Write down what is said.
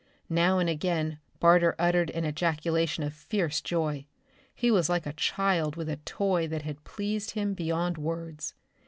Now and again Barter uttered an ejaculation of fierce joy. He was like a child with a toy that pleased him beyond words.